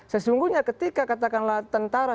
sesungguhnya ketika katakanlah tentara